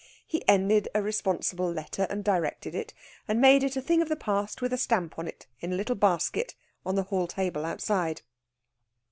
He ended a responsible letter, and directed it, and made it a thing of the past with a stamp on it in a little basket on the hall table outside.